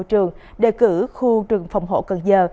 trường phòng hộ cần giờ